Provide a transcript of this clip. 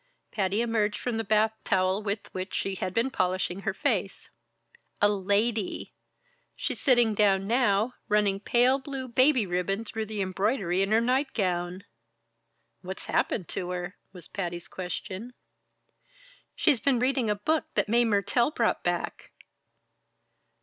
Patty emerged from the bath towel with which she had been polishing her face. "A lady. She's sitting down now, running pale blue baby ribbon through the embroidery in her night gown." "What's happened to her?" was Patty's question. "She's been reading a book that Mae Mertelle brought back."